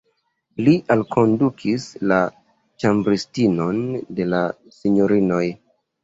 Li alkondukis la ĉambristinon de la sinjorinoj.